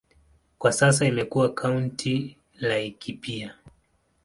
Kwa sasa imekuwa kaunti ya Laikipia.